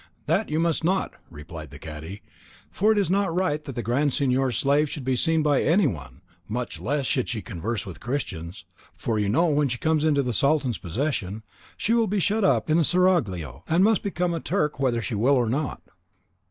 "That you must not," replied the cadi, "for it is not right that the Grand Signor's slave should be seen by any one, much less should she converse with Christians; for you know that when she comes into the Sultan's possession she will be shut up in the seraglio, and must become a Turk whether she will or not."